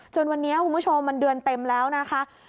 จนวันนี้คุณผู้ชมมันเดือนเต็มแล้วนะคะ